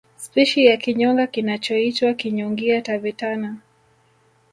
Spishi ya kinyonga kinachoitwa Kinyongia tavetana